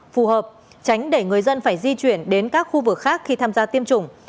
phù hợp tránh để người dân phải di chuyển đến các khu vực khác khi tham gia tiêm chủng